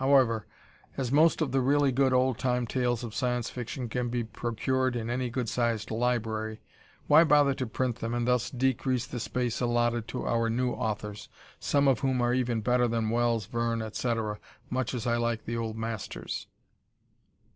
However, as most of the really good old time tales of Science Fiction can be procured in any good sized library, why bother to print them and thus decrease the space allotted to our new authors, some of whom are even better than Wells, Verne, etc., much as I like the old masters.